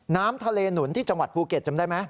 น้ำทะเลหนุนที่จังหวัดภูเก็ตจำได้ไหม